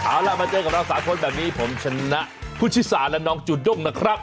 เอาล่ะมาเจอกับเรา๓คนแบบนี้ผมชนะผู้ชิสาและน้องจูด้งนะครับ